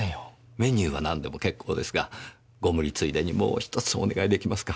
メニューは何でも結構ですがご無理ついでにもう１つお願いできますか？